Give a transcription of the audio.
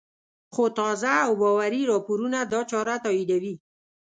خو تازه او باوري راپورونه دا چاره تاییدوي